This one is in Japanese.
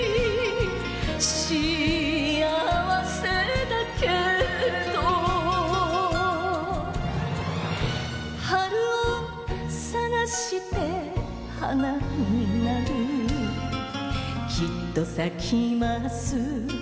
幸せだけど春を探して花になるきっと咲きます